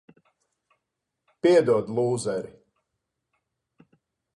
Piedod, lūzeri.